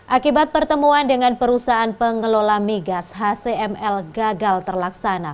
akibat pertemuan dengan perusahaan pengelola migas hcml gagal terlaksana